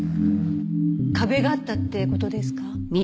壁があったって事ですか？